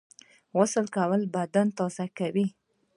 غسل کول بدن تازه کوي